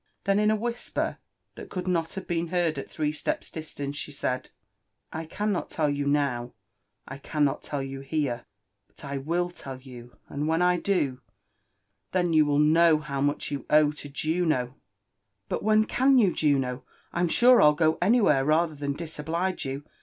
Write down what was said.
Then in a whis[}er, that could not have been heard at three steps distance, she said, *• I cannot tell you now, I cannot tell you here; — but I will iell you ; and when I do, then you will know how much you owe to Juno r " But when can you, Juno? I'm sure Til go any where rather than disoblige you.